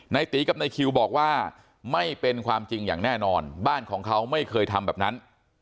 ตีกับนายคิวบอกว่าไม่เป็นความจริงอย่างแน่นอนบ้านของเขาไม่เคยทำแบบนั้น